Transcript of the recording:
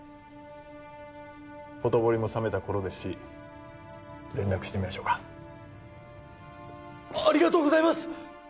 ほとぼりも冷めた頃ですし連絡してみましょうかありがとうございます！